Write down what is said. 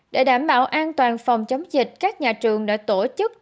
để đảm bảo an toàn phòng chống dịch các nhà trường đã tổ chức tổng hợp